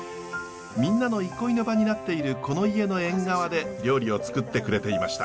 みんなの憩いの場になっているこの家の縁側で料理をつくってくれていました。